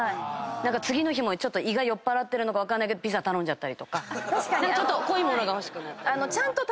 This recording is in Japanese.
次の日も胃が酔っぱらってるのか分かんないけどピザ頼んだりちょっと濃い物が欲しくなったりとか。